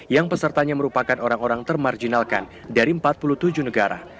yang pesertanya merupakan orang orang termarjinalkan dari empat puluh tujuh negara